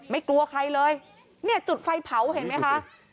กลัวใครเลยเนี่ยจุดไฟเผาเห็นไหมคะ